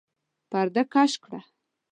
پرده کش کړه!